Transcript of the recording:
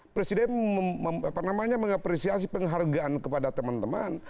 presiden mengapresiasi penghargaan kepada teman teman